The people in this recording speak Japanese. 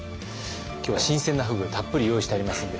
今日は新鮮なふぐたっぷり用意してありますんで。